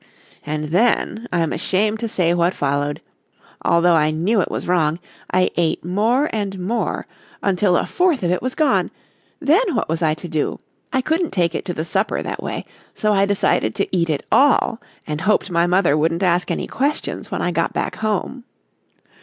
"And then, I'm ashamed to say what followed. Although I knew it was wrong I ate more and more until a fourth of it was gone, then what was I to do? I couldn't take it to the supper that way, so I decided to eat it all and hoped my mother wouldn't ask any questions when I got back home."